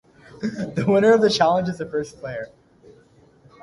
The winner of the challenge is the first player.